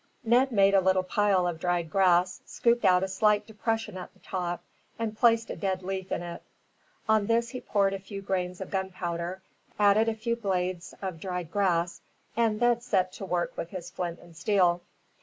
Ned made a little pile of dried grass, scooped out a slight depression at the top, and placed a dead leaf in it. On this he poured a few grains of powder, added a few blades of dried grass, and then set to work with his flint and steel.